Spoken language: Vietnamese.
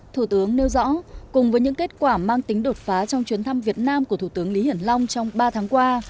thủ tướng nêu rõ cùng với những kết quả mang tính đột phá trong chuyến thăm việt nam của thủ tướng lý hiển long trong ba tháng qua